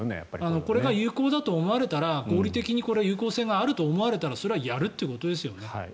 これが有効だと思われたら合理的にこれが有効性があると思われたらそれをやるということですよね。